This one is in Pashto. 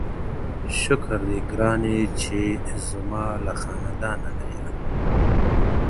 شکر دی گراني چي زما له خاندانه نه يې.